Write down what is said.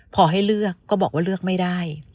พอให้เลือกก็บอกว่าเลือกไม่ได้